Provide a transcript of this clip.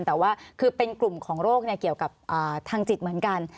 แต่ว่าคือเป็นกลุ่มของโรคเกี่ยวกับทางจิตเหมือนกัน